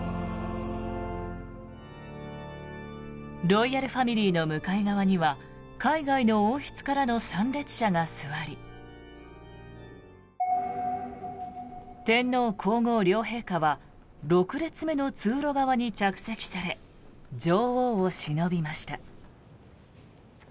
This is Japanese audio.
ロイヤルファミリーの向かい側には海外の王室からの参列者が座り天皇・皇后両陛下は６列目の通路側に着席され女王をしのびました。